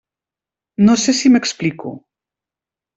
No sé si m'explico.